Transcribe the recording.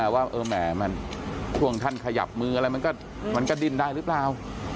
ว่าแหมช่วงท่านขยับมืออะไรมันก็ดิ้นได้หรือเปล่า